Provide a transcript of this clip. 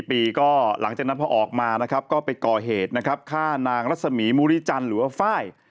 ๑๔ปีก็หลังจากนั้นพอออกมาก็ไปก่อเหตุฆ่านางรัศมีร์มุริจันทร์หรือว่าไฟล์